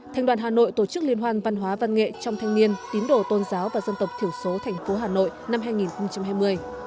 thành đoàn hà nội tổ chức liên hoan văn hóa văn nghệ trong thanh niên tín đồ tôn giáo và dân tộc thiểu số thành phố hà nội năm hai nghìn hai mươi